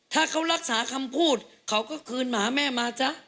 ถ้าเขารักษาคำพูดเขาก็คืนหมาแม่มาจ๊ะ